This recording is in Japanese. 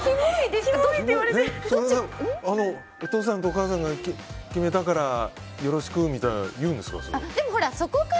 お父さんとお母さんが決めたからよろしくみたいに言うんですか？